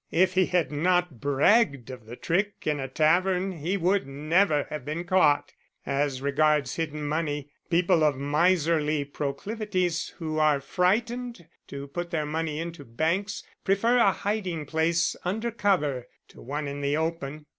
If he had not bragged of the trick in a tavern he would never have been caught. As regards hidden money, people of miserly proclivities who are frightened to put their money into banks prefer a hiding place under cover to one in the open.